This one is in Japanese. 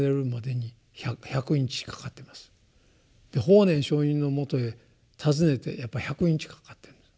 法然上人のもとへ訪ねてやっぱり１００日かかってるんです。